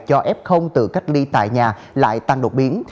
cho f tự cách ly tại nhà lại tăng đột biến